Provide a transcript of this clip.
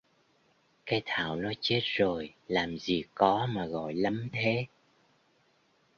Cái Thảo nó chết rồi làm gì có mà gọi lắm thế